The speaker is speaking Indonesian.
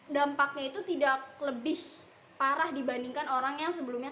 dampaknya itu tidak lebih parah dibandingkan orang yang sebelumnya